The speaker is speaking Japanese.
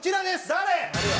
誰！？